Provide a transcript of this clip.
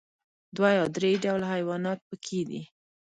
دوه یا درې ډوله حيوانات پکې دي.